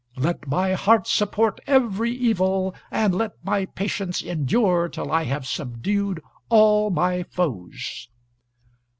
Let my heart support every evil, and let my patience endure till I have subdued all my foes."